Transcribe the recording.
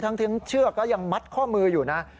ทั้งเชือกก็ยังมัดข้อมืออยู่นะ